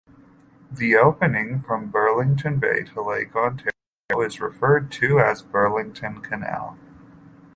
The opening from Burlington Bay to Lake Ontario is referred to as Burlington Canal.